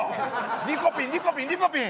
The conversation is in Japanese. リコピンリコピンリコピン！